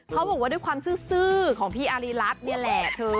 เขาบอกว่าด้วยความซื่อของพี่อารีรัฐนี่แหละ